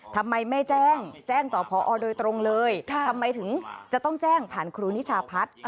ทำไมไม่แจ้งแจ้งต่อพอโดยตรงเลยทำไมถึงจะต้องแจ้งผ่านครูนิชาพัฒน์